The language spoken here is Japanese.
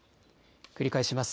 繰り返します。